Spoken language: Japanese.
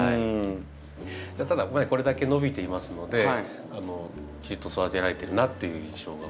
ただこれだけ伸びていますのできちっと育てられてるなっていう印象が。